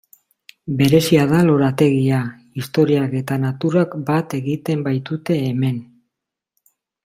Berezia da lorategia, historiak eta naturak bat egiten baitute hemen.